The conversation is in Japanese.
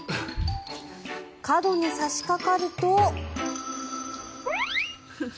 角に差しかかると。